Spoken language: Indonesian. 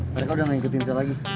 pada kau udah gak ikutin saya lagi